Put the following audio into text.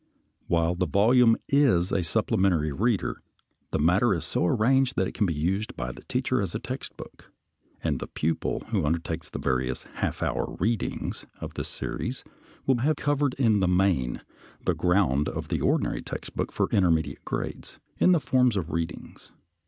While the volume is a supplementary reader, the matter is so arranged that it can be used by the teacher as a text book, and the pupil who undertakes the various "half hour readings" of this series will have covered in the main the ground of the ordinary text book for intermediate grades in the form of readings.